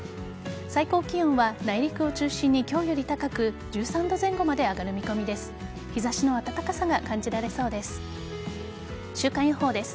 最高気温は内陸を中心に今日より高く１３度前後まで上がる見込みです。